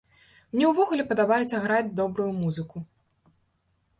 Мне ўвогуле падабаецца граць добрую музыку.